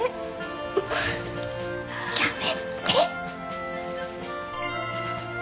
やめて！